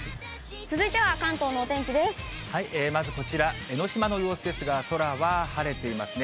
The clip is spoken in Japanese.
まずこちら、江の島の様子ですが、空は晴れていますね。